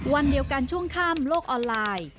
วันเดียวกันช่วงข้ามโลกออนไลน์